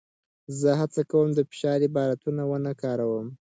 زه هڅه کوم د فشار عبارتونه ونه کاروم.